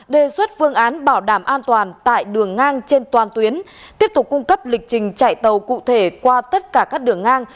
đề xuất phương án bảo đảm an toàn tại đường ngang trên toàn tuyến tiếp tục cung cấp lịch trình chạy tàu cụ thể qua tất cả các đường ngang